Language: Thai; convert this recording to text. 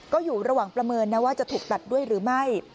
ก็อยู่ระหว่างประเมินนะว่าจะถูกตัดด้วยหรือไม่